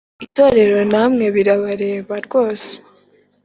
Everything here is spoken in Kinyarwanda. itorero namwe birabareba rwose